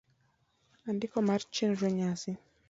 Andiko mar chenro nyasi: